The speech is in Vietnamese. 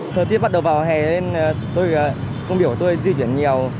thời tiết bắt đầu vào hè lên công việc của tôi di chuyển nhiều